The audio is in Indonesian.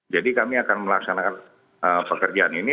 jadi kami akan melaksanakan pekerjaan ini